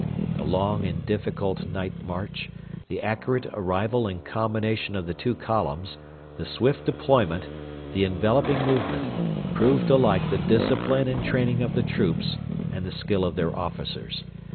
The long and difficult night march, the accurate arrival and combination of the two columns, the swift deployment, the enveloping movement, proved alike the discipline and training of the troops and the skill of their officers.